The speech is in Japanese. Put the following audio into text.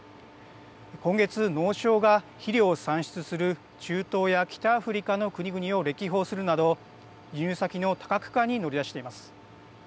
今月、農相が肥料を産出する中東や北アフリカの国々を歴訪するなど輸入先の多角化に乗り出しています。